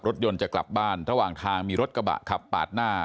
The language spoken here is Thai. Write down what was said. รถยนต์จะกลับบ้านระหว่างทางมีรถกระบะขับปาดหน้า